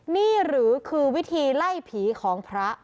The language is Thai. นี่หรือคือวิธีไล่ผีของพระ